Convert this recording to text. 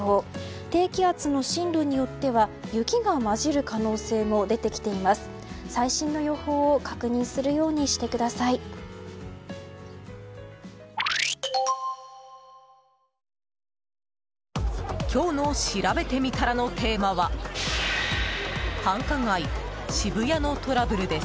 低気圧の進路によっては雪が交じる可能性も出てきています。